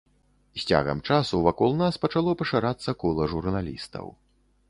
З цягам часу вакол нас пачало пашырацца кола журналістаў.